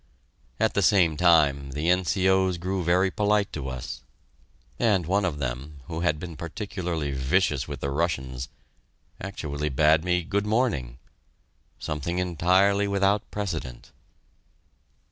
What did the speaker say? At the same time, the N.C.O.'s grew very polite to us, and one of them, who had been particularly vicious with the Russians, actually bade me "good morning" something entirely without precedent.